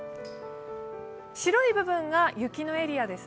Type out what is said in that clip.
白い部分が雪のエリアです。